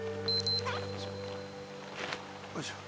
よいしょ